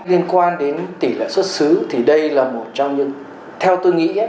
liên quan đến tỷ lệ xuất xứ thì đây là một trong những theo tôi nghĩ